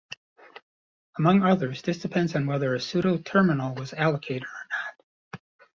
Among others, this depends on whether a pseudo-terminal was allocated or not.